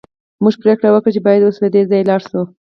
موږ پریکړه وکړه چې باید اوس له دې ځایه لاړ شو